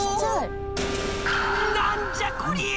何じゃこりゃあ！